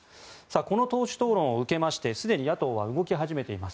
この党首討論を受けましてすでに野党は動き始めています。